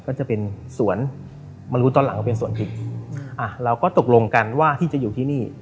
ก็จะเป็นสวนมารู้ตอนหลังว่าเป็นสวนพริกอ่ะเราก็ตกลงกันว่าที่จะอยู่ที่นี่